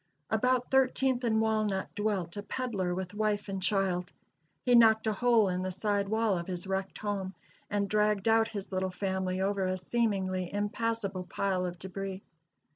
About Thirteenth and Walnut dwelt a peddler with wife and child. He knocked a hole in the side wall of his wrecked home, and dragged out his little family over a seemingly impassable pile of debris.